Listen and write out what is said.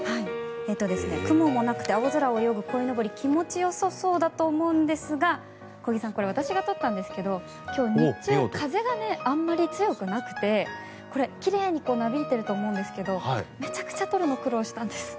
雲もなくて青空を泳ぐこいのぼり気持ちよさそうだと思うんですが小木さん、これ私が撮ったんですが今日、日中風があまり強くなくてこれ、奇麗になびいていると思うんですけどめちゃくちゃ撮るの苦労したんです。